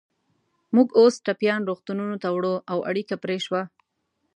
موږ اوس ټپیان روغتونونو ته وړو، او اړیکه پرې شوه.